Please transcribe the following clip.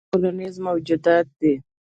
انسانان ټولنیز موجودات دي.